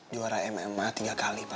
juara mma tiga kali pak